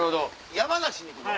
山梨に行くの？